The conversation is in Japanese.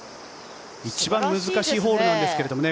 一番難しいホールなんですけどね。